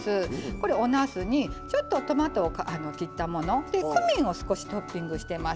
これおなすにちょっとトマトを切ったもの。でクミンを少しトッピングしてます。